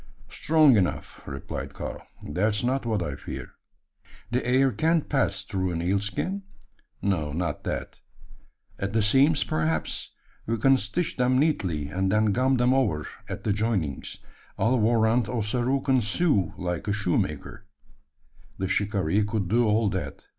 "Strong enough," replied Karl. "That's not what I fear." "The air can't pass through an eel skin?" "No not that." "At the seams, perhaps? We can stitch them neatly; and then gum them over at the joinings. I'll warrant Ossaroo can sew like a shoemaker." The shikaree could do all that.